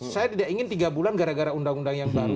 saya tidak ingin tiga bulan gara gara undang undang yang baru